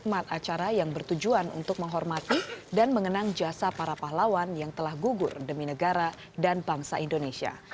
tempat acara yang bertujuan untuk menghormati dan mengenang jasa para pahlawan yang telah gugur demi negara dan bangsa indonesia